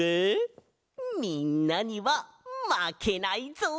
みんなにはまけないぞ！